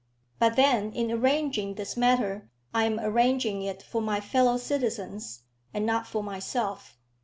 But then, in arranging this matter, I am arranging it for my fellow citizens, and not for myself.